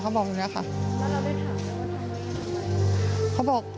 ลูกนั่นแหละที่เป็นคนผิดที่ทำแบบนี้